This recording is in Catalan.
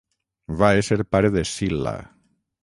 Va ésser pare d'Escil·la.